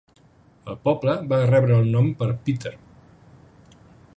El poble va rebre el nom per Peter.